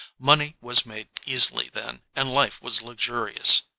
Money was made easily then and life was luxurious.